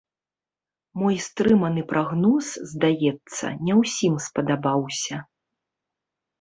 Мой стрыманы прагноз, здаецца, не ўсім спадабаўся.